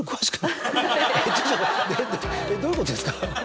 ちょっとどういうことですか？